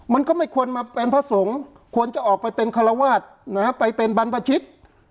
มันก็ไม่ควรมาเป็นพระสงฆ์ควรจะออกไปเป็นคารวาสนะฮะไปเป็นบรรพชิต